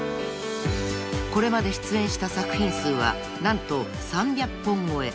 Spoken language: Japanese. ［これまで出演した作品数は何と３００本超え］